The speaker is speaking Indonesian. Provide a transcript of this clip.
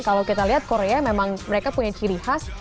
kalau kita lihat korea memang mereka punya ciri khas